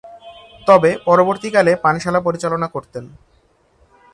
তবে, পরবর্তীকালে পানশালা পরিচালনা করতেন।